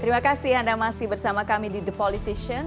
terima kasih anda masih bersama kami di the politician